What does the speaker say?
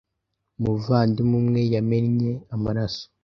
Umuvandimwe umwe yamennye amaraso